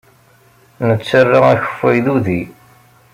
Nettarra akeffay d udi.